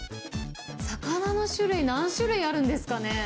魚の種類、何種類あるんですかね。